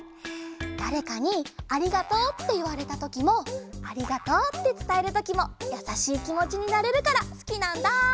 だれかに「ありがとう」っていわれたときも「ありがとう」ってつたえるときもやさしいきもちになれるからすきなんだ！